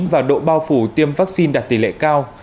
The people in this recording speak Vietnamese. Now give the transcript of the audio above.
và độ bao phủ tiêm vaccine đạt tỷ lệ cao